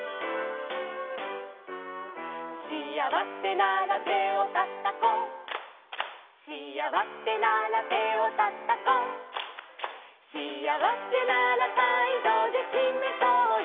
「しあわせなら手をたたこう」「」「しあわせなら手をたたこう」「」「しあわせなら態度でしめそうよ」